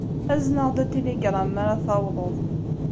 Azen-aɣ-d atiligṛam mi ara tawḍeḍ.